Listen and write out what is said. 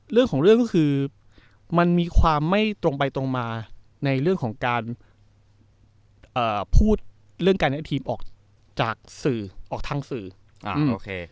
เรื่องของเรื่องก็คือมันมีความไม่ตรงไปตรงมาในเรื่องของการพูดเรื่องการให้ทีมออกจากสื่อออกทางสื่ออ่าโอเค